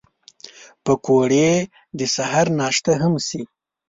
پکورې د سهر ناشته هم شي